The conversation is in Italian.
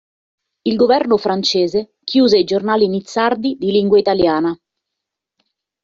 Il governo francese chiuse i giornali nizzardi di lingua italiana.